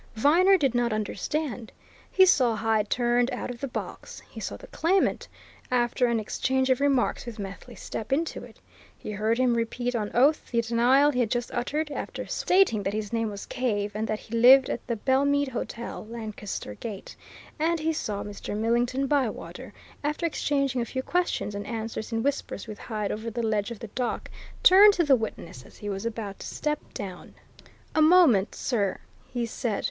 Viner did not understand. He saw Hyde turned out of the box; he saw the claimant, after an exchange of remarks with Methley, step into it; he heard him repeat on oath the denial he had just uttered, after stating that his name was Cave, and that he lived at the Belmead Hotel, Lancaster Gate; and he saw Mr. Millington Bywater, after exchanging a few questions and answers in whispers with Hyde over the ledge of the dock, turn to the witness as he was about to step down. "A moment, sir," he said.